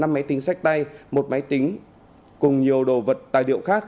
năm máy tính sách tay một máy tính cùng nhiều đồ vật tài liệu khác